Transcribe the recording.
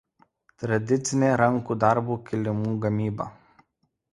Tradicinė rankų darbo kilimų gamyba.